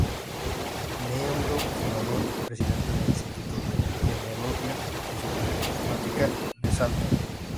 Miembro fundador y Presidente del Instituto de Genealogía y Numismática de Salta.